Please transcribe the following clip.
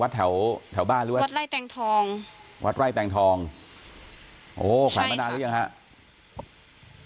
แถวแถวบ้านหรือว่าวัดไล่แตงทองวัดไร่แตงทองโอ้โหขายมานานหรือยังครับ